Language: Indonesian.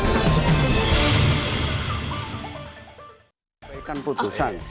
kami akan menunjukkan keputusan